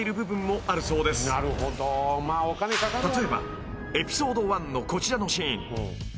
［例えばエピソード１のこちらのシーン］